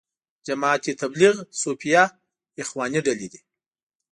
جماعت تبلیغ، صوفیه، اخواني ډلې دي.